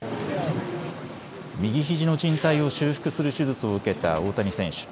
右ひじのじん帯を修復する手術を受けた大谷選手。